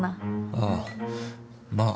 あぁまあ。